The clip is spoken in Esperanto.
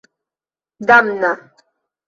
damna